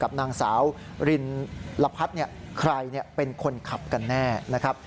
นางสาวรินละพัฒน์ใครเป็นคนขับกันแน่นะครับ